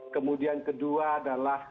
kemudian kedua adalah